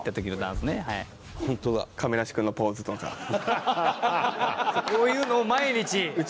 「こういうのを毎日」